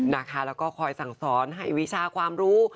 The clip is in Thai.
แล้วก็คอยสั่งสอนให้วิชาความรู้